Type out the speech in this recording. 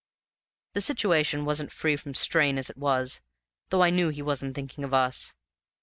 The situation wasn't free from strain as it was, though I knew he wasn't thinking of us.